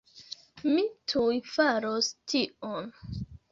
Mi tuj faros tion